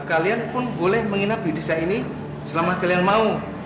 kalian pun boleh menginap di desa ini selama kalian mau